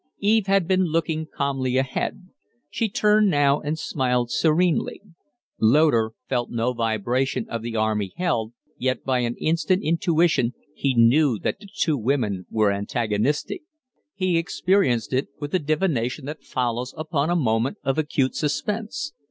Eve had been looking calmly ahead. She turned now and smiled serenely. Loder felt no vibration of the arm he held, yet by an instant intuition he knew that the two women were antagonistic. He experienced it with the divination that follows upon a moment of acute suspense.